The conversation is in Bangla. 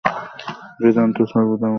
বেদান্ত সর্বদা মুক্তির বাণীই ঘোষণা করে।